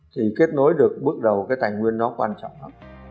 thì kết nối được bước đầu cái tài nguyên đó quan trọng lắm